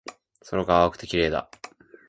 空が青くて綺麗だ